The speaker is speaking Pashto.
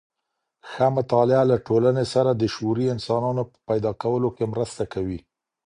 ښه مطالعه له ټولني سره د شعوري انسانانو په پيدا کولو کي مرسته کوي.